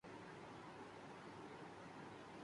Meeting ہمارے دوست پنجاب راؤ امجد نے ارینج کی تھی۔